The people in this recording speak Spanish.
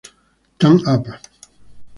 Tune Up!